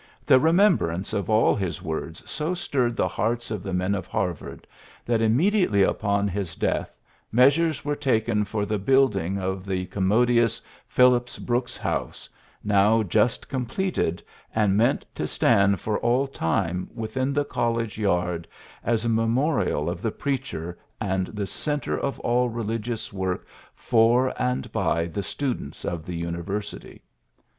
The remem brance of all his words so stirred the hearts of the men of Harvard that im mediately upon his death measures were taken for the building of the commodi ous ^^ Phillips Brooks House," now just completed, and meant to stand for all time within the college yard as a memo rial of the preacher and the centre of all religious work for and by the students of the university.